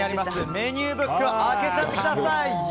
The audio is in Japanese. メニューブック開けちゃってください。